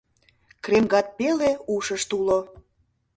Кремгат пеле ушышт уло